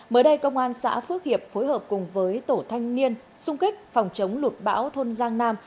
mới đây công an xã phước hiệp phối hợp cùng với tổ thanh niên xung kích phòng chống lụt bão thôn giang nam